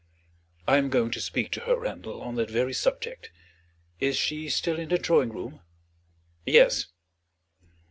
"I am going to speak to her, Randal, on that very subject. Is she still in the drawing room?" "Yes."